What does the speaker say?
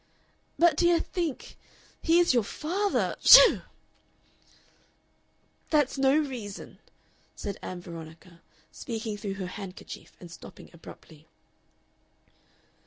"But, dear, think! He is your father. SHOOH!" "That's no reason," said Ann Veronica, speaking through her handkerchief and stopping abruptly.